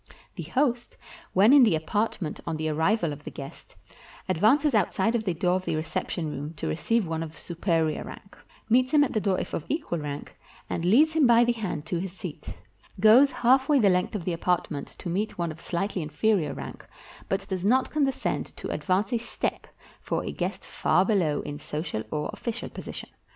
The host, when in the apartment on the arrival of the guest, advances outside of the door of the reception room to receive one of superior rank; meets him at the door if of equal rank, and leads him by the hand to his seat; goes halfway the length of the apart ment to meet one of slightly inferior rank, but does not condescend to advance a step for a guest far below in social or official position.